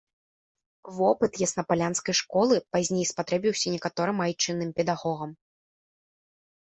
Вопыт яснапалянскай школы пазней спатрэбіўся некаторым айчынным педагогам.